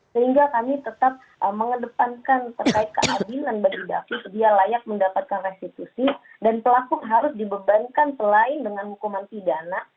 sehingga kami tetap mengedepankan terkait keadilan bagi david dia layak mendapatkan restitusi dan pelaku harus dibebankan selain dengan hukuman pidana